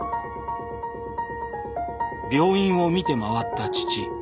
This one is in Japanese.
病院を見て回った父。